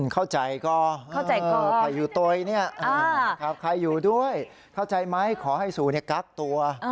เข้าใจก่อนใครอยู่ด้วยเนี่ยขอให้สูงครั้งสัลวมณีกรับตัว